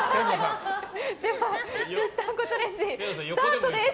ではぴったんこチャレンジスタートです。